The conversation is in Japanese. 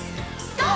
ＧＯ！